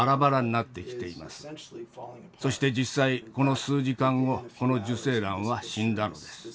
そして実際この数時間後この受精卵は死んだのです。